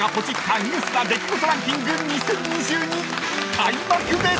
［開幕です］